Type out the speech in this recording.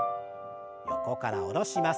横から下ろします。